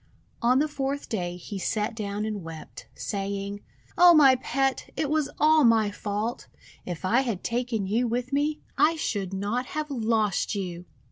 On the fourth day he sat down and wept, saying :— "O my Pet, it was all my fault! If I had taken you with me, I should not have lost you!'